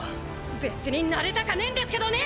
別に慣れたかぁねぇんですけどね！